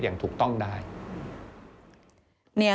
อย่างถูกต้องได้